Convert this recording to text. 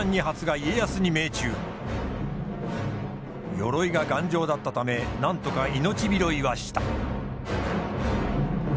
鎧が頑丈だったためなんとか命拾いはした。